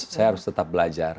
saya harus tetap belajar